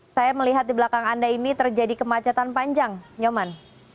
saya melihat di belakang anda ini terjadi kemacetan panjang nyoman